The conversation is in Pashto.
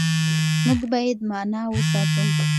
موږ بايد مانا وساتو.